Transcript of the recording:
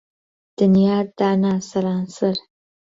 دنیات دانا سهرانسهر